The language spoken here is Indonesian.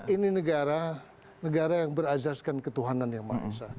ini negara yang berazaskan ketuhanan yang mahasiswa